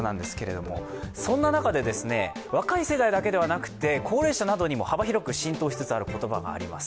そんな中で若い世代だけではなくて高齢世代にも幅広く浸透しつつある言葉があります